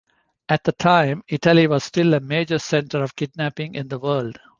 At the time Italy was still a major center of kidnapping in the world.